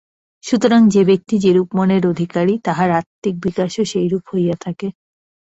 সুতরাং যে ব্যক্তি যেরূপ মনের অধিকারী, তাহার আত্মিক বিকাশও সেইরূপ হইয়া থাকে।